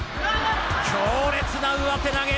強烈な上手投げ！